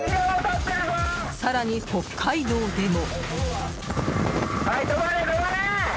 更に、北海道でも。